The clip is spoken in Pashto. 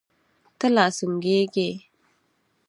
ته لا سونګه ږې.